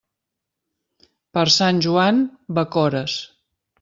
Per sant Joan, bacores.